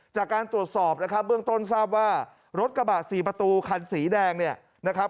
จากการตรวจสอบนะครับเบื้องต้นทราบว่ารถกระบะสี่ประตูคันสีแดงเนี่ยนะครับ